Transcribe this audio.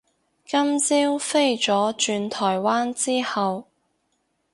今朝飛咗轉台灣之後